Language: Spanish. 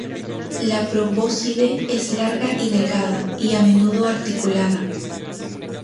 La probóscide es larga y delgada y a menudo articulada.